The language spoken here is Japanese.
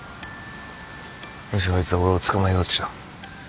むしろあいつ俺を捕まえようとした。